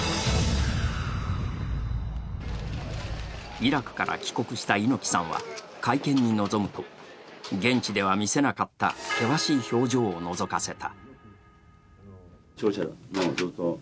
イラクから帰国した猪木さんは会見に臨むと現地では見せなかった険しい表情をのぞかせた。